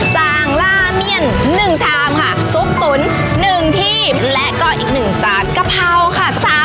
จางล่าเมียน๑ชามค่ะซุปตุ๋น๑ทีบและก็อีก๑จานกะเพราค่ะ